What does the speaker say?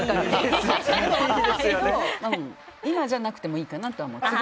今じゃなくてもいいかなとは思う。